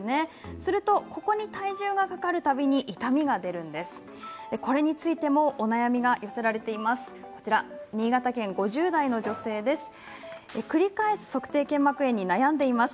すると体重がかかるたびに痛みが出るんです。